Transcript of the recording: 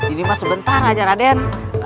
ini pas sebentar aja raden